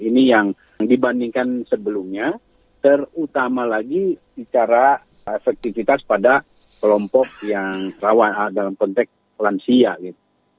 ini yang dibandingkan sebelumnya terutama lagi bicara efektivitas pada kelompok yang rawan dalam konteks lansia gitu